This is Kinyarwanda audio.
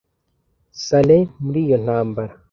saleh muri iyo ntambara.